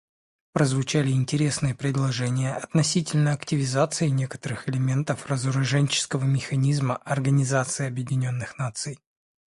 Прозвучали интересные предложения относительно активизации некоторых элементов разоруженческого механизма Организации Объединенных Наций.